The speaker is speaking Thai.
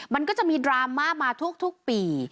มันก็จะมีดราม่ามาทุกปี